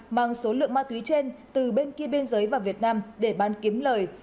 mang số lượng ma túy trên từ bên kia biên giới vào việt nam để bán kiếm lời